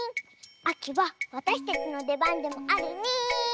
あきはわたしたちのでばんでもあるリーン。